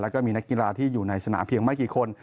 แล้วก็มีนักกีฬาที่อยู่ในสนามเพียงไม่กี่คน